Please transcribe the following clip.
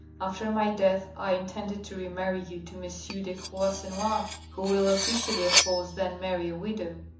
After my death I intended to remarry you to M. de Croisenois, who will officially of course then marry a widow.